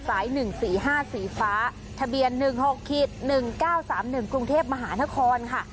สายหนึ่งสี่ห้าสีฟ้าทะเบียนหนึ่งหกขีดหนึ่งเก้าสามหนึ่งกรุงเทพมหานครค่ะ